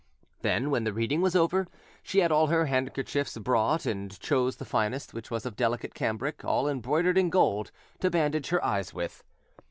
Then, when the reading was over, she had all her handkerchiefs brought, and chose the finest, which was of delicate cambric all embroidered in gold, to bandage her eyes with.